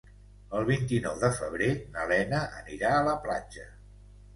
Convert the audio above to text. El vint-i-nou de febrer na Lena anirà a la platja.